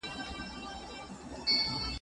دا تعريف د ځينو پوهانو له خوا نيمګړی ګڼل سوی دی.